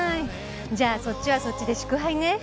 じゃあそっちはそっちで祝杯ね。